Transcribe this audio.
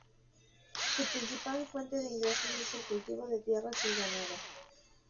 Su principal fuente de ingresos es el cultivo de tierras y el ganado.